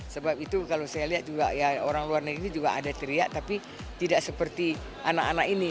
sebab itu kalau saya lihat juga ya orang luar negeri juga ada teriak tapi tidak seperti anak anak ini